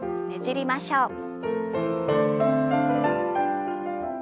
ねじりましょう。